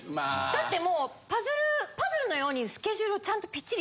だってもうパズルのようにスケジュールをちゃんとピッチリ。